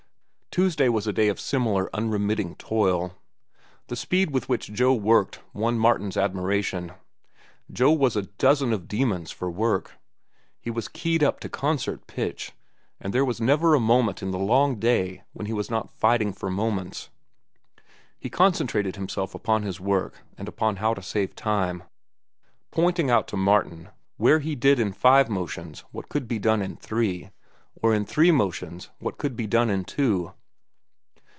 Tuesday was a day of similar unremitting toil. The speed with which Joe worked won Martin's admiration. Joe was a dozen of demons for work. He was keyed up to concert pitch, and there was never a moment in the long day when he was not fighting for moments. He concentrated himself upon his work and upon how to save time, pointing out to Martin where he did in five motions what could be done in three, or in three motions what could be done in two.